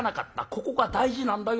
ここが大事なんだよ。